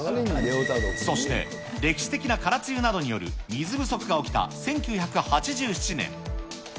そして、歴史的な空梅雨などによる水不足が起きた１９８７年。